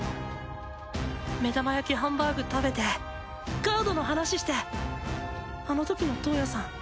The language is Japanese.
目玉焼きハンバーグ食べてカードの話してあの時のトウヤさん